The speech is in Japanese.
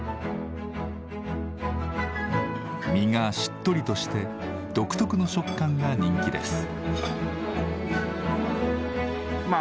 身がしっとりとして独特の食感が人気です。